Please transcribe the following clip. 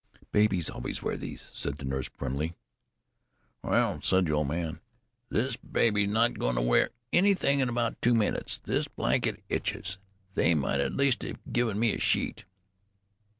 "Babies always wear those," said the nurse primly. "Well," said the old man, "this baby's not going to wear anything in about two minutes. This blanket itches. They might at least have given me a sheet."